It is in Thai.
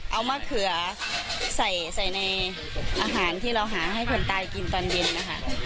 เอามะเขือใส่ในอาหารที่เราหาให้คนตายกินตอนเย็นนะคะ